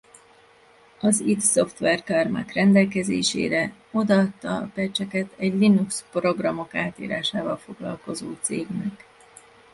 Az id Software Carmack rendelkezésére odaadta a patcheket egy Linux programok átírásával foglalkozó cégnek.